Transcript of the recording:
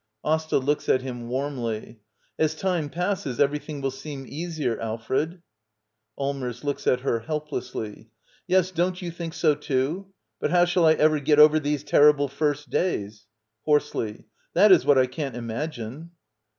AsTA. [Looks at him warmly.] As time passes everything will seem easier, Alfred. Allmers. [Looks at her helplessly.] Yes, don't you think so, too? — But how shall I get over these terrible first days? [Hoarsely.] — That is what I can't imagine.